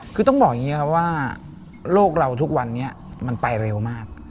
คือต้องบอกอย่างนี้ครับว่าโลกเราทุกวันนี้มันไปเร็วมาก